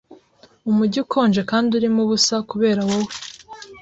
Umujyi ukonje kandi urimo ubusa kubera wowe